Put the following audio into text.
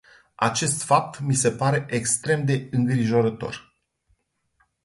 Acest fapt mi se pare extrem de îngrijorător.